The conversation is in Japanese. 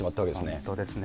本当ですね。